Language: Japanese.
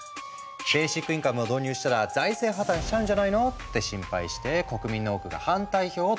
ベーシックインカムを導入したら財政破綻しちゃうんじゃないの？って心配して国民の多くが反対票を投じたんだ。